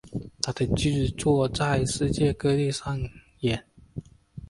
他的剧作在世界各地上演。